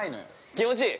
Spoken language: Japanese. ◆気持ちいい？